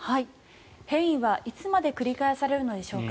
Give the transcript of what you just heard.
変異はいつまで繰り返されるのでしょうか。